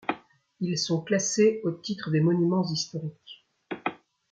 Ils sont classés au titre des monuments historiques.